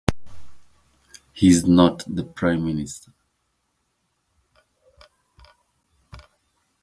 He's not the Prime Minister.